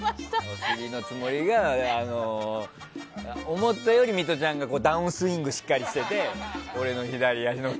お尻のつもりが思ったよりミトちゃんがダウンスイングしっかりしてて大丈夫ですか？